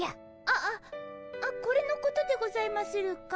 ああこれのことでございまするか？